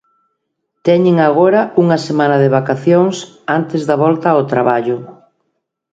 Teñen agora unha semana de vacacións antes da volta ao traballo.